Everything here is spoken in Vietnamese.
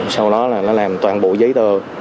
sau đó là nó làm toàn bộ giấy tờ